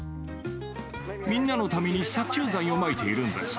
みんなのために殺虫剤をまいているんです。